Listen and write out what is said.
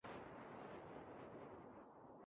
Sin embargo existen opiniones contrarias